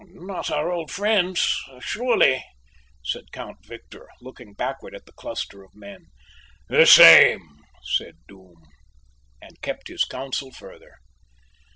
"Not our old friends, surely?" said Count Victor, looking backward at the cluster of men. "The same," said Doom, and kept his counsel further.